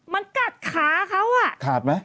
มันกัดขาเขาอ่ะ